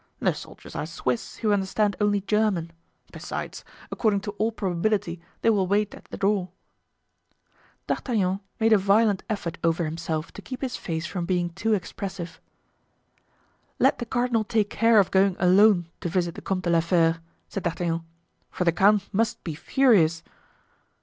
"The soldiers are Swiss, who understand only German. Besides, according to all probability they will wait at the door." D'Artagnan made a violent effort over himself to keep his face from being too expressive. "Let the cardinal take care of going alone to visit the Comte de la Fere," said D'Artagnan; "for the count must be furious."